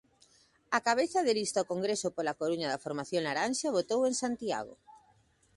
A cabeza de lista ao Congreso pola Coruña da formación laranxa votou en Santiago.